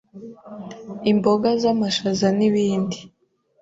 Imboga z'amashaza n’ibindi